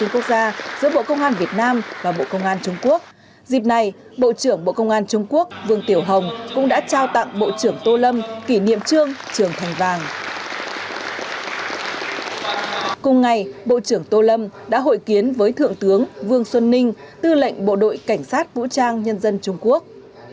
cùng ngày bộ trưởng tô lâm đã hội kiến với thượng tướng vương xuân ninh tư lệnh bộ đội cảnh sát vũ trang nhân dân trung quốc